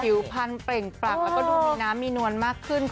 ฮิวพันเตยเปล่งปรักดูมีน้ำมีนวลมากขึ้น